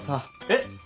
えっ！